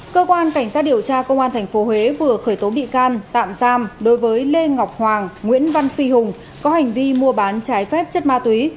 cơ quan cảnh sát điều tra công an tp huế vừa khởi tố bị can tạm giam đối với lê ngọc hoàng nguyễn văn phi hùng có hành vi mua bán trái phép chất ma túy